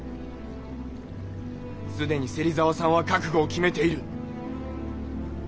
すでに芹沢さんは覚悟を決めている。